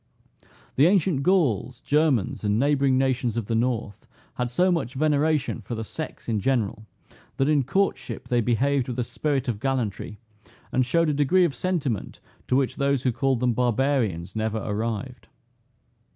The ancient Gauls, Germans, and neighboring nations of the North, had so much veneration for the sex in general, that in courtship they behaved with a spirit of gallantry, and showed a degree of sentiment, to which those who called them barbarians, never arrived.